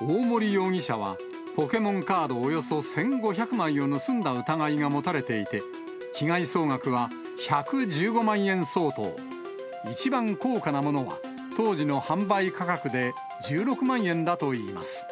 大森容疑者は、ポケモンカードおよそ１５００枚を盗んだ疑いが持たれていて、被害総額は１１５万円相当、一番高価なものは当時の販売価格で１６万円だといいます。